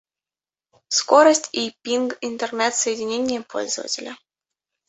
Скорость и пинг интернет-соединения пользователя